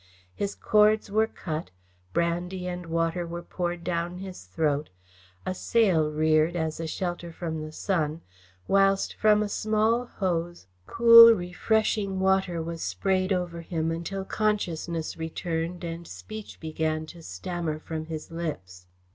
His cords were cut, brandy and water were poured down his throat, a sail reared as a shelter from the sun, whilst from a small hose, cool, refreshing water was sprayed over him until consciousness returned and speech began to stammer from his lips.